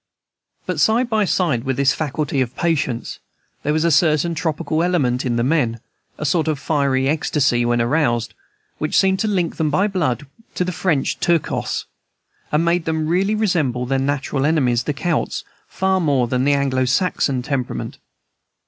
But side by side with this faculty of patience, there was a certain tropical element in the men, a sort of fiery ecstasy when aroused, which seemed to link them by blood with the French Turcos, and made them really resemble their natural enemies, the Celts, far more than the Anglo Saxon temperament.